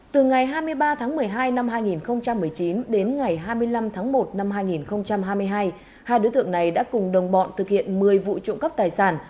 từ ngày hai mươi ba tháng một mươi hai năm hai nghìn một mươi chín đến ngày hai mươi năm tháng một năm hai nghìn hai mươi hai hai đối tượng này đã cùng đồng bọn thực hiện một mươi vụ trộm cắp tài sản